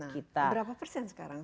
kita berapa persen sekarang